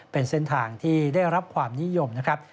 เป็นเส้นทางที่ได้รับความนิยมนะครับ